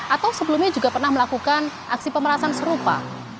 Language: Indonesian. atau sebelumnya juga pernah melakukan aksi pemerasan serupa